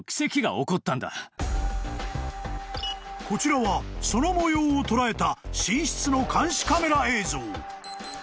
［こちらはその模様を捉えた寝室の監視カメラ映像］